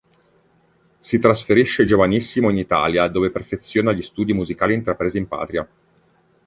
Si trasferisce giovanissimo in Italia dove perfeziona gli studi musicali intrapresi in patria.